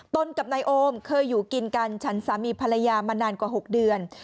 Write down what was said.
กับนายโอมเคยอยู่กินกันฉันสามีภรรยามานานกว่า๖เดือน